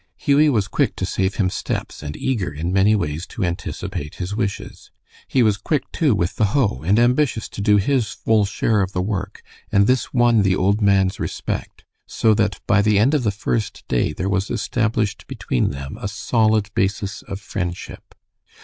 Hughie was quick to save him steps, and eager in many ways to anticipate his wishes. He was quick, too, with the hoe, and ambitious to do his full share of the work, and this won the old man's respect, so that by the end of the first day there was established between them a solid basis of friendship.